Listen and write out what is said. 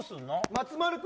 松丸君